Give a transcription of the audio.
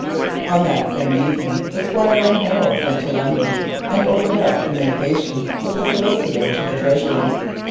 On that same evening the Squire and Harold went to London and opened up communications with the Solicitor to the Treasury.